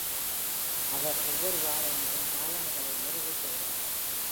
அவர் ஒவ்வொரு வாரமும் என் காலணிகளை மெருகூட்டுகிறார்.